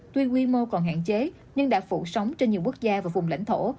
tuy quy mô còn hạn chế nhưng đã phụ sống trên nhiều quốc gia và vùng lãnh thổ